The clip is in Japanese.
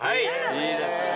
いいですね。